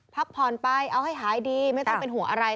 พักผ่อนไปเอาให้หายดีไม่ต้องเป็นห่วงอะไร